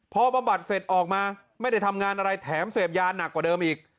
พอบำบัดเสร็จออกมาไม่ได้ทำงานอะไรแถมเสพยาหนักกว่าเดิมอีก